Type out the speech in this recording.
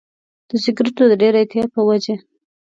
د سیګریټو د ډېر اعتیاد په وجه.